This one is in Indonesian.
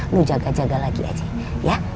nu jaga jaga lagi aja ya